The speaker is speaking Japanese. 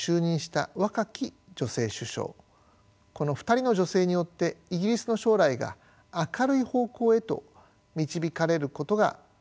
この２人の女性によってイギリスの将来が明るい方向へと導かれることが期待されていました。